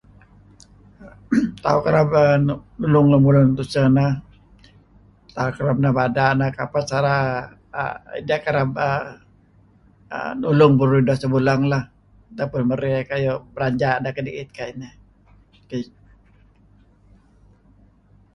Tauh kereb nulunh lemulun tuseh nah tauh kereb nebada' nah kapah cara kerb nuuh idah sebuleng ataupun marey belanja' kediit kayu' inah.